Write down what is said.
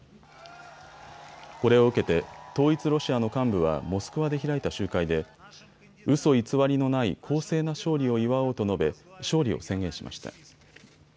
これを受けて統一ロシアの幹部はモスクワで開いた集会でうそ偽りのない公正な勝利を祝おうと述べ勝利を宣言しました。